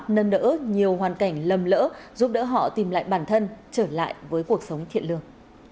nâng đỡ nhiều hoàn cảnh lầm lỡ giúp đỡ họ tìm lại bản thân trở lại với cuộc sống thiện lương